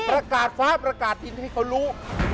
ประกาศฟ้าประกาศดินให้เขารู้